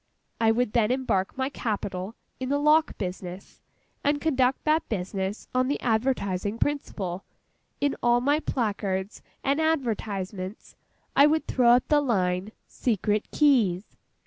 I would then embark my capital in the lock business, and conduct that business on the advertising principle. In all my placards and advertisements, I would throw up the line SECRET KEYS.